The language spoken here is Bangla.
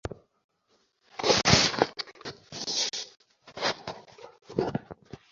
তিনি গান্ধী দ্বারা চালিত অসহযোগ আন্দোলনকে সক্রিয়ভাবে সমর্থন করেছিলেন।